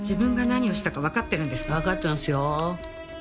わかってますよ。